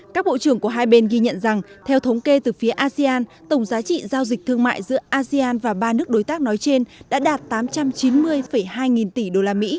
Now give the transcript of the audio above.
các bộ trưởng của hai bên ghi nhận rằng theo thống kê từ phía asean tổng giá trị giao dịch thương mại giữa asean và ba nước đối tác nói trên đã đạt tám trăm chín mươi hai nghìn tỷ usd